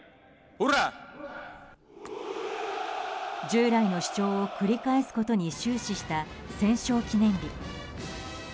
従来の主張を繰り返すことに終始した戦勝記念日。